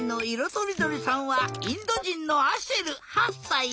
とりどりさんはインドじんのアシェル８さい。